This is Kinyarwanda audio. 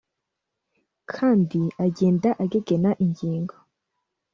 kandi agenda agegena ingingo